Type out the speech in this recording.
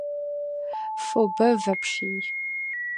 Фо бэв апщий.